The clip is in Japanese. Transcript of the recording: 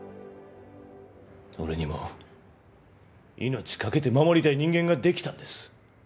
俺にも命懸けて守りたい人間ができたんです。